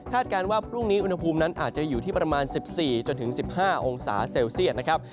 การว่าพรุ่งนี้อุณหภูมินั้นอาจจะอยู่ที่ประมาณ๑๔๑๕องศาเซลเซียตนะครับ